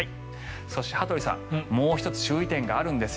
そして羽鳥さんもう１つ注意点があるんですよ。